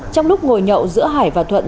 trong lúc ngồi nhậu giữa hải và thuận